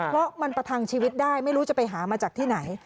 เพราะมันประทังชีวิตได้ไม่รู้จะไปหามาจากที่ไหน